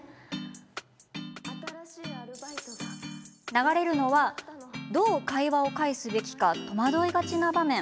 流れるのはどう会話を返すべきか戸惑いがちな場面。